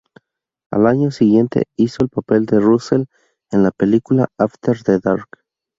Al año siguiente, hizo el papel de Russell en la película "After the Dark".